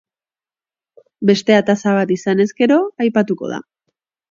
Beste ataza bat izanez gero aipatuko da.